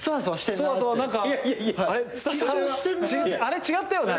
あれ違ったよな。